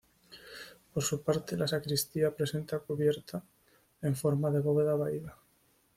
Por su parte la sacristía presenta cubierta en forma de bóveda vaída.